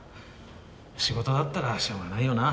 仕事があったらしょうがないよな。